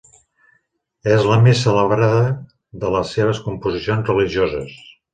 És la més celebrada de les seves composicions religioses.